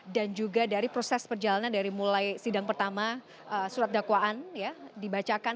dan juga dari proses perjalanan dari mulai sidang pertama surat dakwaan dibacakan